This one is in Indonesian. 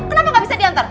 kenapa gak bisa diantar